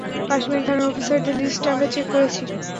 কাশ্মির থানার অফিসারদের লিস্ট আমরা চেক করেছি।